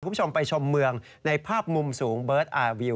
คุณผู้ชมไปชมเมืองในภาพมุมสูงเบิร์ตอาร์วิว